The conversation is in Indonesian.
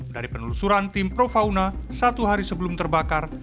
dari penelusuran tim pro fauna satu hari sebelum terbakar